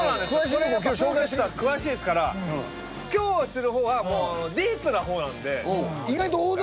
これやっぱプーケットは詳しいですから今日する方はもうディープな方なんで大丈夫？